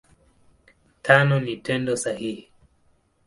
Tano ni Tendo sahihi.